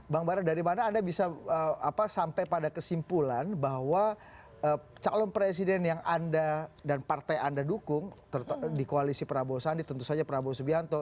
bang bara dari mana anda bisa sampai pada kesimpulan bahwa calon presiden yang anda dan partai anda dukung di koalisi prabowo sandi tentu saja prabowo subianto